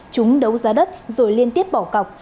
chúng đấu giá đất rồi liên tiếp bỏ cọc